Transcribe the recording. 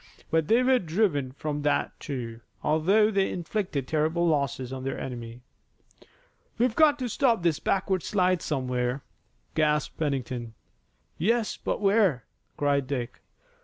But they were driven from that, too, although they inflicted terrible losses on their enemy. "We've got to stop this backward slide somewhere," gasped Pennington. "Yes, but where?" cried Dick.